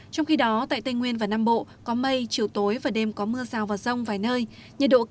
trong khi đó tại tây nguyên và nam bộ có mây chiều tối và đêm có mưa rào và rông vài nơi nhiệt độ cao nhất từ ba mươi bốn ba mươi bảy độ c